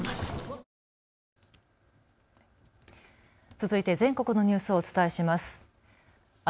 続いて全国のニュースをお伝えします。